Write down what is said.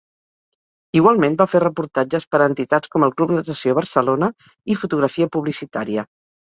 Igualment va fer reportatges per a entitats com el Club Natació Barcelona i fotografia publicitària.